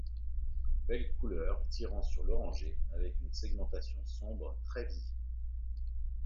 Belle couleur tirant sur l'orangé, avec une segmentation sombre très visible.